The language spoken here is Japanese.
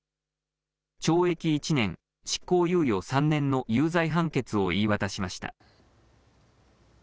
懲役１年、執行猶予３年の有罪判決を言い渡しました。